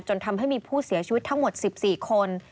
ทำให้มีผู้เสียชีวิตทั้งหมด๑๔คน